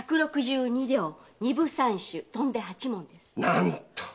なんと！